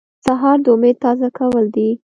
سهار د امید تازه کول دي.